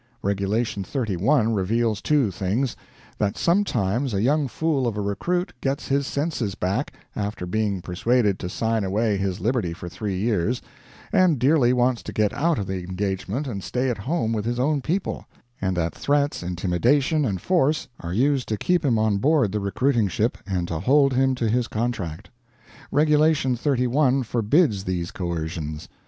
Regulation 31 reveals two things: that sometimes a young fool of a recruit gets his senses back, after being persuaded to sign away his liberty for three years, and dearly wants to get out of the engagement and stay at home with his own people; and that threats, intimidation, and force are used to keep him on board the recruiting ship, and to hold him to his contract. Regulation 31 forbids these coercions.